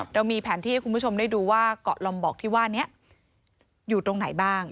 เรามีแผนที่ให้คุณผู้ชมได้ดูว่าเกาะลอมบอกที่ว่านี้อยู่ตรงไหนบ้าง